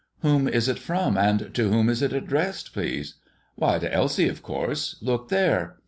"Whom is it from, and to whom is it addressed, please?" "Why, to Elsie, of course. Look there!"